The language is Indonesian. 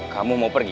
kamu mau pergi